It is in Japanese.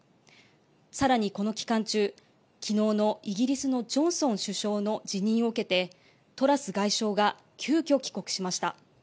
さらに、この期間中きのうの、イギリスのジョンソン首相の辞任を受けてトラス外相が急きょ帰国しました。